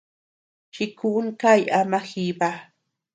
Chikuʼún kay ama jiba.